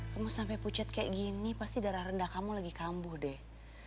kamu sampai pucut kayak gini pasti darah rendah kamu lagi kambuh deh